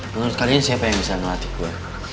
menurut kalian siapa yang bisa ngelatih gue